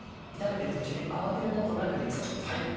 炒めてる途中に慌てることなくできそうですね。